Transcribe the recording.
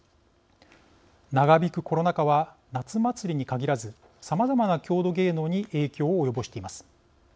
長引くコロナ禍は夏祭りに限らずさまざまな郷土芸能に影響を及ぼしています。